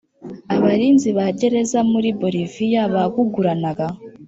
Abarinzi ba gereza muri Boliviya baguguranaga